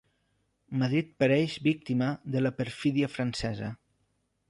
Madrid pereix víctima de la perfídia francesa.